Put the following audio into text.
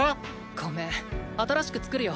ごめん新しく作るよ。